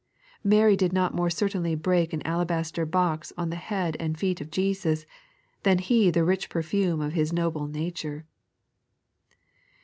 Mary did not more certainly break an alabaster box on the head and feet of Jesus, than he the rich perfume of his noble nature.